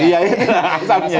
iya itu asapnya